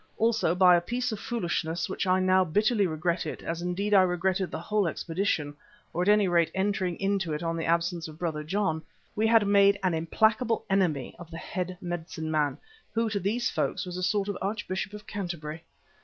Also by a piece of foolishness which I now bitterly regretted, as indeed I regretted the whole expedition, or at any rate entering on it in the absence of Brother John, we had made an implacable enemy of the head medicine man, who to these folk was a sort of Archbishop of Canterbury.